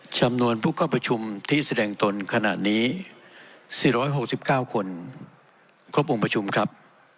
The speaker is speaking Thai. จำนวนผู้เข้าประชุมที่แสดงตนขณะนี้๔๖๙คนครบวงประชุมครับ